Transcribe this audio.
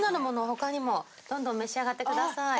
他にもどんどん召し上がってください。